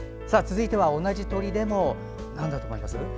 続いては同じ鳥でもなんだと思います？